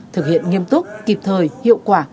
thực hiện nghiêm túc kịp thời hiệu quả